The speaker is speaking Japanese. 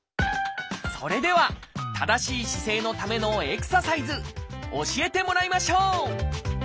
それでは正しい姿勢のためのエクササイズ教えてもらいましょう！